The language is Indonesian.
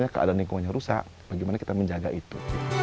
keadaan lingkungannya rusak bagaimana kita menjaga itu